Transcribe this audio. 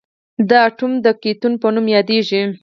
دا اتوم د کتیون په نوم یادیږي.